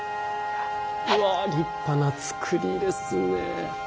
うわ立派な造りですね。